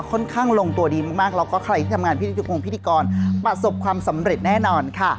ค่อนข้างลงตัวดีมากแล้วก็ใครที่ทำงานพิธีพงพิธีกรประสบความสำเร็จแน่นอนค่ะ